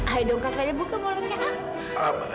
ayo dong kak fadil buka mulutnya